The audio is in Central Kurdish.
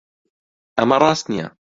ئەمە ڕاست نییە.